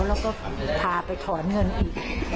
แล้วก็พาไปถอนเงินอีก